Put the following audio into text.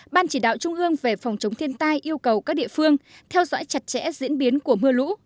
ban chỉ đạo trung ương về phòng chống thiên tai yêu cầu các địa phương theo dõi chặt chẽ diễn biến của mưa lũ